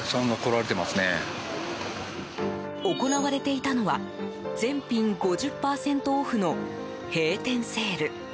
行われていたのは全品５０％オフの閉店セール。